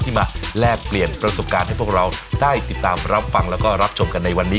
มาแลกเปลี่ยนประสบการณ์ให้พวกเราได้ติดตามรับฟังแล้วก็รับชมกันในวันนี้